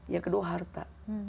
yang kedua harta